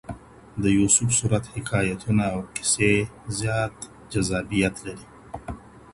د يوسف سورت حکايتونه او قصې زيات جذابيت لري.